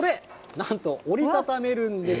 なんと折り畳めるんです。